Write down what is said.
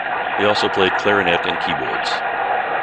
He also played clarinet and keyboards.